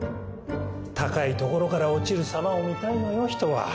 高いところから落ちる様を見たいのよ人は。